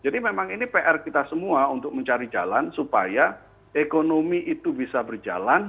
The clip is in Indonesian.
jadi memang ini pr kita semua untuk mencari jalan supaya ekonomi itu bisa berjalan